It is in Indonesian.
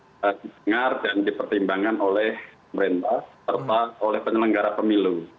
kita dengar dan dipertimbangkan oleh pemerintah serta oleh penyelenggara pemilu